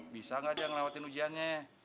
bisa nggak dia yang ngelewatin ujiannya